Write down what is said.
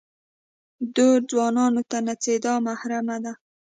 دوو ځوانان ته نڅېدا محرمه ده.